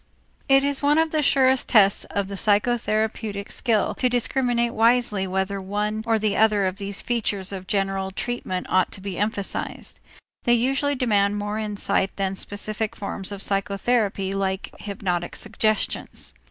It is one of the surest tests of psychotherapeutic skill to discriminate wisely whether one or the other of these features of general treatment ought to be emphasized. They usually demand more insight than specific forms of psychotherapy like hypnotic suggestions.